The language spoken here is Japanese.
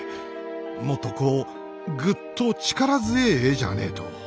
もっとこうぐっと力強ぇ絵じゃねえと。